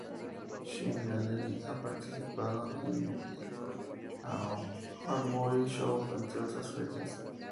Shin Gallery ha participado en el Armory Show, entre otras ferias.